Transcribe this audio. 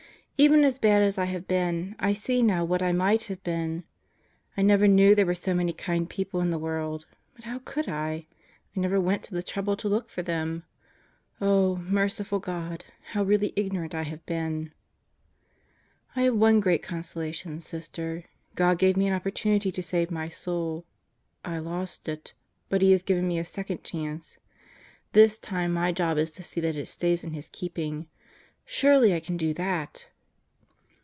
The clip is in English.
Even as bad as I have been I see now what I might have been. I never knew there were so many kind people in the world. But how could I I never went to the trouble to look for them. Oh, merciful God, how really ignorant I have been! I have one great consolation, Sister: God gave me an opportunity to save my soul. I lost it. But He has given me a second chance. This time my job is to see that it stays in His keeping. Surely I can do that!